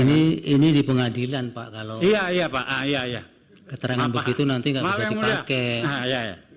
ini di pengadilan pak kalau keterangan begitu nanti gak bisa dipakai